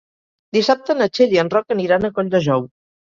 Dissabte na Txell i en Roc aniran a Colldejou.